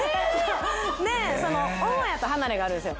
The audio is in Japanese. で母屋と離れがあるんですよ。